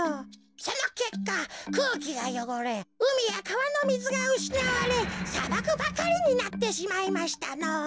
そのけっかくうきがよごれうみやかわのみずがうしなわれさばくばかりになってしまいましたのぉ。